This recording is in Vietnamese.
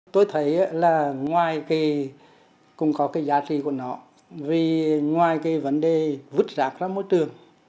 tôi thấy là ngoài cái cũng có cái giá trị của nó vì ngoài cái vấn đề vứt rạc ra môi trường